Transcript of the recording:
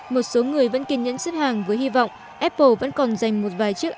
một số người vẫn kiên nhẫn xếp hàng với hy vọng apple vẫn còn dành một vài chiếc